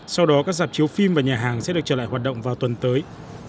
sau đó các dạp chiếu phim và nhà hàng sẽ được trở lại hoạt động vào tuần tới